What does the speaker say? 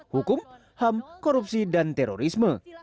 hukum ham korupsi dan terorisme